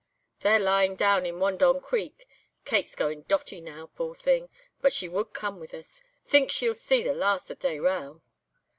They're lying down in Wandong Creek. Kate's goin' dotty now, poor thing, but she would come with us. Thinks she'll see the last of Dayrell.